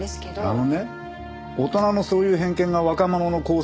あのね大人のそういう偏見が若者の更生を阻むんですよ。